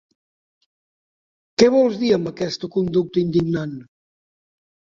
Què vols dir amb aquesta conducta indignant.